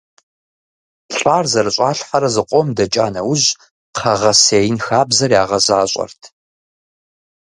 ЛӀар зэрыщӀалъхьэрэ зыкъом дэкӀа нэужь кхъэ гъэсеин хабзэр ягъэзащӀэрт.